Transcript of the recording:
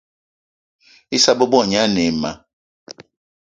Issa bebo gne ane ayi ma